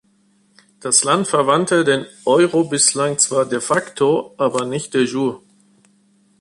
Das Land verwandte den Euro bislang zwar „de facto“, aber nicht „de jure“.